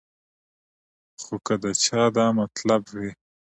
خو کۀ د چا دا مطلب وي